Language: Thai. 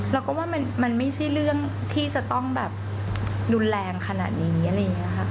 เราก็ว่ามันไม่ใช่เรื่องที่จะต้องแบบยุนแรงขนาดนี้